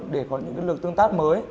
để có những lực tương tác mới